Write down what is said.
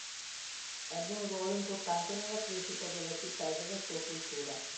Ebbe un ruolo importante nella crescita della città e della sua cultura.